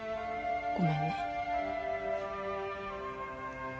ごめんね。